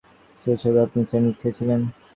শেষ কবে আপনি স্যান্ডউইচ খেয়েছিলেন?